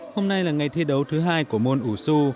hôm nay là ngày thi đấu thứ hai của môn ủ xu